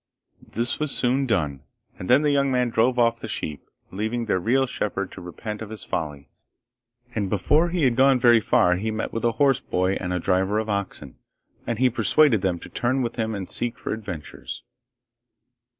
This was soon done, and then the young man drove off the sheep, leaving their real shepherd to repent of his folly; and before he had gone very far he met with a horse boy and a driver of oxen, and he persuaded them to turn with him and to seek for adventures.